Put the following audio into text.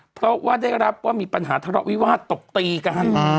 เพราะว่าได้รับว่ามีปัญหาทะเลาะวิวาสตบตีกัน